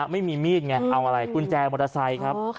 ไม่มีมีดไงเอาอะไรกุญแจมอเตอร์ไซค์ครับ